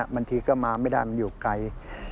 บางทีก็มาไม่ได้มันอยู่ไกล